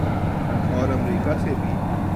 اورامریکہ سے بھی۔